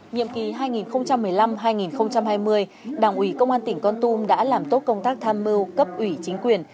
nhiệm kỳ hai nghìn một mươi năm hai nghìn hai mươi đảng ủy công an tỉnh con tum đã làm tốt công tác tham mưu cấp ủy chính quyền